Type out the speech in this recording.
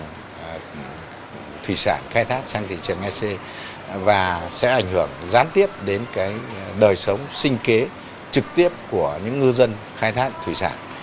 thứ hai là thủy sản khai thác sang thị trường sc và sẽ ảnh hưởng gián tiếp đến đời sống sinh kế trực tiếp của những ngư dân khai thác thủy sản